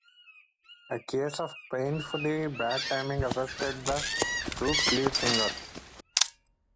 A case of painfully bad timing affected the group's lead singer.